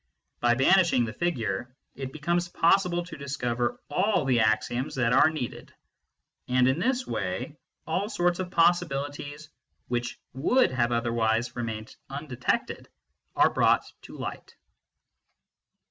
By banishing the figure, it becomes possible to discover all the axioms that are needed ; and in this way all sorts of possibilities, which would have otherwise remained undetected, are brought to light.